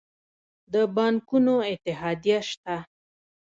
د بانکونو اتحادیه شته؟